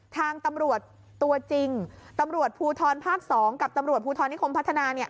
ทางตำรวจตัวจริงตำรวจภูทรภาค๒กับตำรวจภูทรนิคมพัฒนาเนี่ย